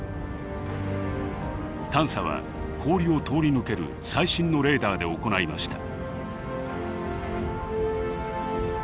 探査は氷を通り抜ける最新のレーダーで行いました。